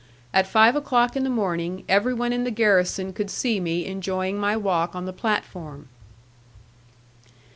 At five o'clock in the morning everyone in the garrison could see me enjoying my walk on the platform.